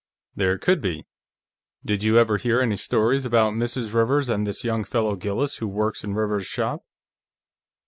"There could be. Did you ever hear any stories about Mrs. Rivers and this young fellow Gillis who works in Rivers's shop?"